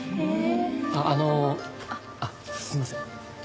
あのあっすいません。